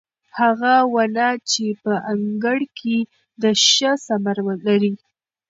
هغه ونه چې په انګړ کې ده ښه ثمر لري.